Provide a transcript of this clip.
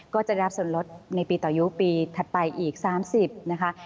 ก็จะรับส่วนลดในปีต่อยุปีถัดไปอีก๓๐นะคะ